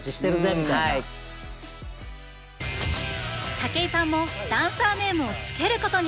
武井さんもダンサーネームをつけることに！